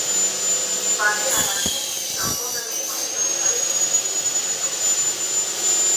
Comparé à la coupe d’un pantalon occidental, il est beaucoup plus ample.